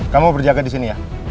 kamu berjaga di sini ya